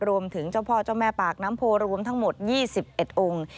รวมถึงเจ้าพ่อเจ้าแม่ปากน้ำโพรวมทั้งหมด๒๑องค์